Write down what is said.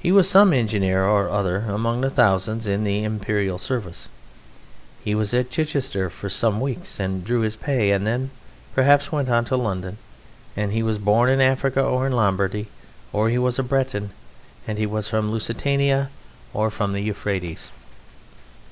He was some engineer or other among the thousands in the Imperial Service. He was at Chichester for some weeks and drew his pay, and then perhaps went on to London, and he was born in Africa or in Lombardy, or he was a Breton, or he was from Lusitania or from the Euphrates.